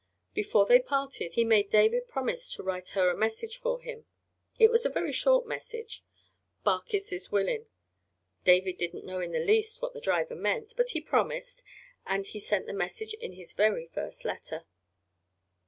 Before they parted he made David promise to write her a message for him. It was a very short message "Barkis is willin'." David didn't know in the least what the driver meant, but he promised, and he sent the message in his very first letter.